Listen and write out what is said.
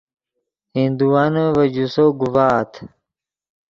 ہندوانے ڤے جوسو گوڤآت